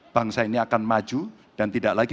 bangsa ini akan maju dan tidak lagi